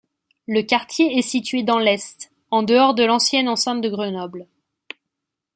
Le quartier est situé dans l'Est, en dehors de l'ancienne enceinte de Grenoble.